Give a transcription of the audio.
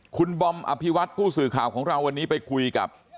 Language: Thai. คุณบอมอภิวัตผู้สื่อข่าวของเราวันนี้ไปคุยกับ